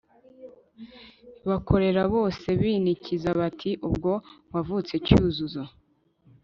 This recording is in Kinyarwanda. bakorera bose binikiza bati ubwo wavutse cyuzuzo